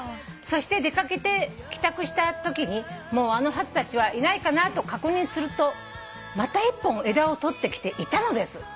「そして出掛けて帰宅したときにもうあのハトたちはいないかなと確認するとまた１本枝を取ってきていたのです」